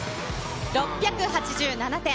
６８７点。